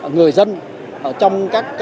người dân trong các